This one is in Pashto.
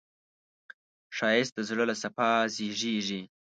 ښایست د زړه له صفا زېږېږي